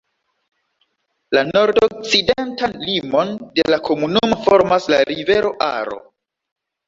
La nordokcidentan limon de la komunumo formas la rivero Aro.